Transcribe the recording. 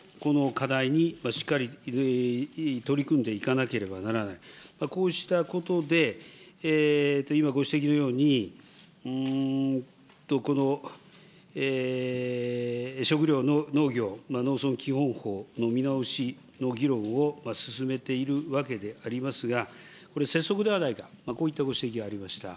わが国においても、わが国の課題にしっかり取り組んでいかなければならない、こうしたことで、今ご指摘のように、この食料農業農村基本法の見直しの議論を進めているわけでありますが、これ拙速ではないか、こういったご指摘がございました。